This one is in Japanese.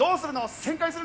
旋回するの？